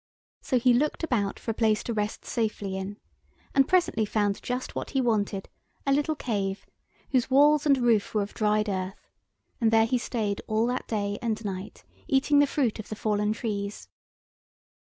So he looked about for a place to rest safely in, and presently found just what he wanted—a little cave, whose walls and roof were of dried earth—and there he stayed all that day and night, eating the fruit of the fallen trees.